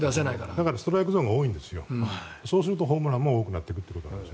だからストライクゾーンが多いのでそうなるとホームランも多くなるという。